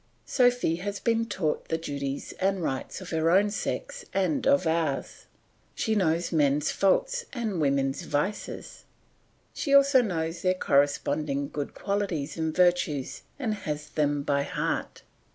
Sophy has been taught the duties and rights of her own sex and of ours. She knows men's faults and women's vices; she also knows their corresponding good qualities and virtues, and has them by heart.